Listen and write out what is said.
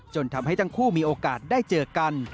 ทำให้ทั้งคู่มีโอกาสได้เจอกัน